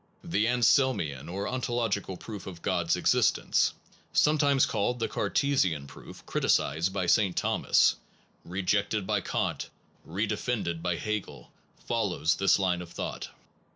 The anselmian or ontological proof of God s existence, sometimes called the cartesian proof, criticised by Saint Thomas, rejected by Kant, re defended by Hegel, follows this line of thought.